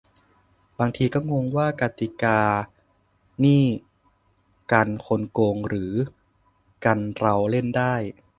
"บางทีก็งงว่ากติกานี่กันคนโกง หรือกันเราเล่นได้"